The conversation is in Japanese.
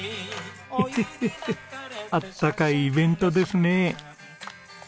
ヘヘヘヘッあったかいイベントですね。